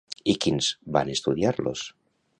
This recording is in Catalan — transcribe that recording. I quins van estudiar-los?